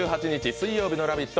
水曜日の「ラヴィット！」